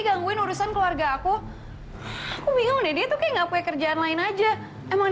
gangguin urusan keluarga aku bingungnya dia tuh nggak punya kerjaan lain aja emang